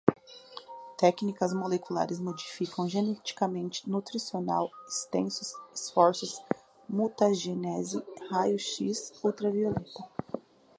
técnicas moleculares, modificam, geneticamente, nutricional, extensos esforços, mutagênese, raios X, ultravioleta